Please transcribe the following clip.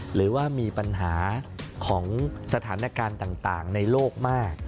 หรือว่ามีปัญหาของสถานการณ์ต่างในโลกมาก